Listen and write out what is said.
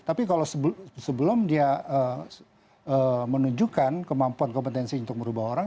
tapi kalau sebelum dia menunjukkan kemampuan kompetensi untuk merubah orang